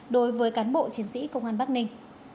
đối với cán bộ chiến sĩ công an bắc ninh